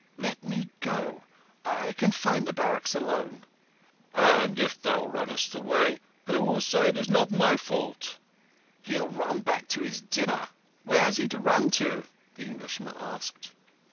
"Let me go. I can find the barracks alone." "And if thou runnest away who will say it is not my fault?" "He'll run back to his dinner. Where has he to run to?" the Englishman asked.